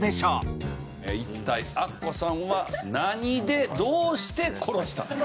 一体アッコさんは何でどうして殺したか。